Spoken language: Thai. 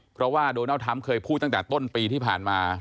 เพราะว่าโดนัลด์ทรัมป์เคยพูดตั้งแต่ต้นปีที่ผ่านมา